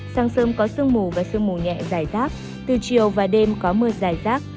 sáng sớm có sương mù và sương mù nhẹ dài rác từ chiều và đêm có mưa dài rác